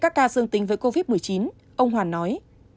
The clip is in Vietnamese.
các ca dương tính với covid một mươi chín ông hoàn nói